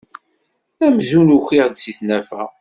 Amzun ukiɣ-d si tnafa.